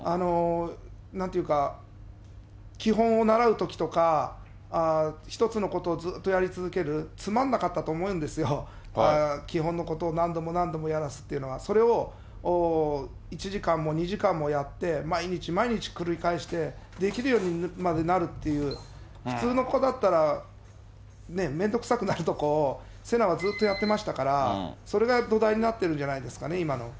なんっていうか、基本を習うときとか、一つのことをずっとやり続ける、つまんなかったと思うんですよ、基本のことを何度も何度もやらすというのは、それを１時間も２時間もやって、毎日毎日繰り返して、できるようにまでなるっていう、普通の子だったらめんどくさくなるところを聖奈はずっとやってましたから、それが土台になってるんじゃないんですかね、今の。